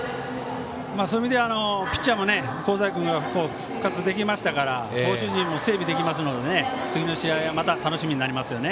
そういう意味ではピッチャーも、香西君が復活できましたから投手陣も整備できますので次の試合はまた楽しみになります。